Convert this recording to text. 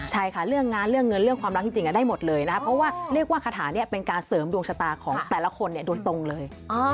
ใช่ค่ะเรื่องงานเรื่องเงินเรื่องความรักจริงได้หมดเลยนะครับเพราะว่าเรียกว่าคาถานี้เป็นการเสริมดวงชะตาของแต่ละคนโดยตรงเลย